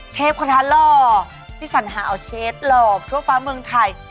เชฟครัวทราร่อที่สัญหาอาวเชฟหลอบทั่วฟ้าเมืองไทย